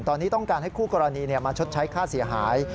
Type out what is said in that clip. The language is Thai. ตอนนี้ต้องการให้คู่กรณีมาชดใช้ค่าเสียหาย